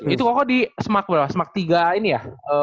itu koko di sma berapa sma tiga ini ya